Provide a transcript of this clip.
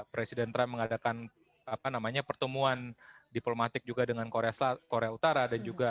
presiden trump mengadakan pertemuan diplomatik juga dengan korea utara